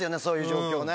そういう状況。